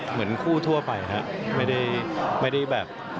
เหมือนคู่ทั่วไปครับไม่ได้แบบ